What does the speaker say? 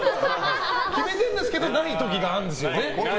決めてるんですけどない時があるんですよね。